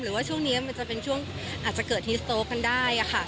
ว่าช่วงนี้มันจะเป็นช่วงอาจจะเกิดฮิสโต๊กันได้ค่ะ